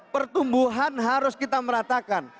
pertumbuhan harus kita meratakan